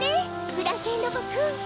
フランケンロボくん！